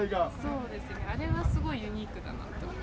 そうですね、あれはすごいユニークだなと思います。